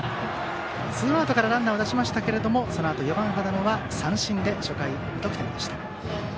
ツーアウトからランナーを出しましたがそのあと４番、羽田野は三振で初回、無得点でした。